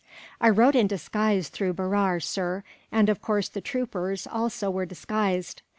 "I rode in disguise through Berar, sir, and of course the troopers were also disguised.